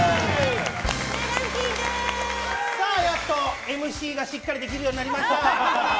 やっとＭＣがしっかりできるようになりました。